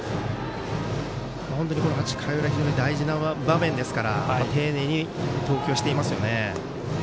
本当に、８回の裏大事な場面ですから丁寧に投球していますよね。